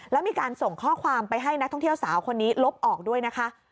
แล้วมีการส่งข้อความไปให้นักท่องเที่ยวสาวคนนี้ลบออกด้วยนะคะ